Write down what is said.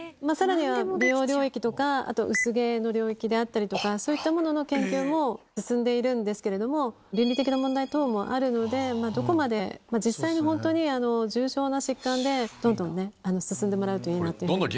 さらには美容領域とか、あと薄毛の領域であったりとか、そういったものの研究も進んでいるんですけれども、倫理的な問題等もあるので、どこまで実際に本当に重症な疾患でどんどんね、進んでもらうといいなと思います。